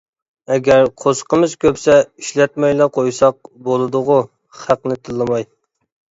ئەگەر قورسىقىمىز كۆپسە ئىشلەتمەيلا قويساق بولدىغۇ خەقنى تىللىماي.